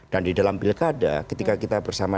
dan di dalam pilkada ketika kita bersama